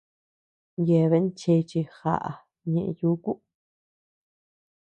Yeaben chéche jaʼa ñee yuku.